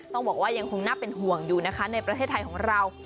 ต้องบอกว่ายังคงน่าเป็นห่วงอยู่นะคะในประเทศไทยของเรา